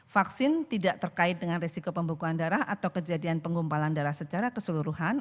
vaksin tidak terkait dengan risiko pembekuan darah atau kejadian penggumpalan darah secara keseluruhan